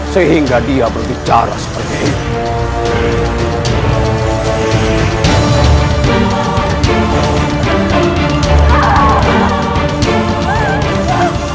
sehingga dia berbicara seperti itu